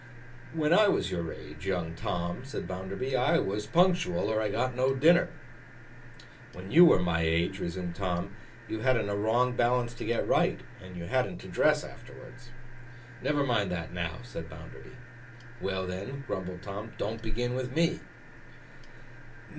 'When I was your age, young Tom,' said Bounderby, 'I was punctual, or I got no dinner!' 'When you were my age,' resumed Tom, 'you hadn't a wrong balance to get right, and hadn't to dress afterwards.' 'Never mind that now,' said Bounderby. 'Well, then,' grumbled Tom. 'Don't begin with me.